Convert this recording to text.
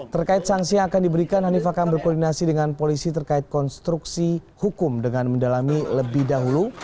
terkait sanksi yang akan diberikan hanif akan berkoordinasi dengan polisi terkait konstruksi hukum dengan mendalami lebih dahulu